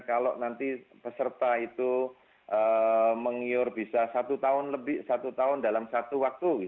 kalau nanti peserta itu mengiur bisa satu tahun dalam satu waktu